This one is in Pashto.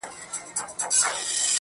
چي د پوهني بهیر ته خدمت کوي